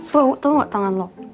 bau tau ga tangan lo